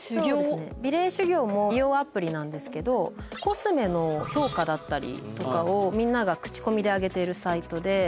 美麗修行も美容アプリなんですけどコスメの評価だったりとかをみんなが口コミで上げているサイトで。